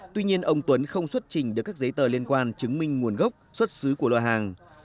tuy nhiên ông tuấn không xuất trình được các giấy tờ liên quan chứng minh nguồn gốc xuất xứ của lô hàng